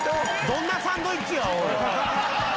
どんなサンドイッチやおい！